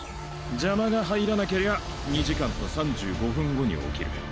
邪魔が入らなけりゃ２時間と３５分後に起きる。